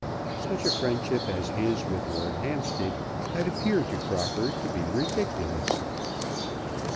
Such a friendship as his with Lord Hampstead had appeared to Crocker to be ridiculous.